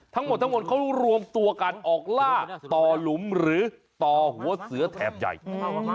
ทั้งหมดทั้งหมดเขารวมตัวกันออกล่าต่อหลุมหรือต่อหัวเสือแถบใหญ่